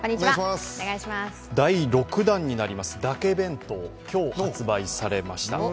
第６弾になります、だけ弁当、今日、発売されました。